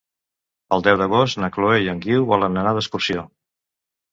El deu d'agost na Chloé i en Guiu volen anar d'excursió.